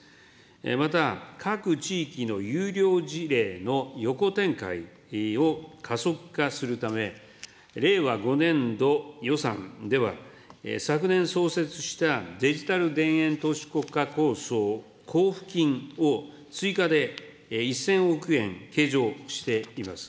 また、各地域の優良事例の横展開を加速化するため、令和５年度予算では、昨年創設した、デジタル田園都市国家構想交付金を追加で１０００億円計上しています。